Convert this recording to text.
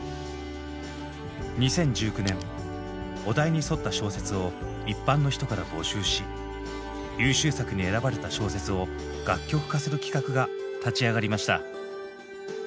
２０１９年お題に沿った小説を一般の人から募集し優秀作に選ばれた小説を楽曲化する企画が立ち上がりました。